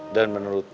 dan menurut mas